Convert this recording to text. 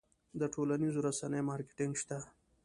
د ټولنیزو رسنیو مارکیټینګ شته؟